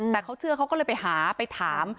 แต่เขาเชื่อเขาก็เลยไปหาไปถาม